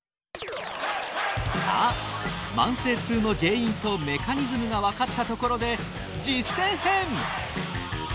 さあ慢性痛の原因とメカニズムが分かったところで実践編！